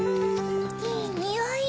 いいにおい。